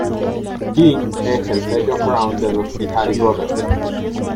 King en el sello Crown de los Bihari Brothers.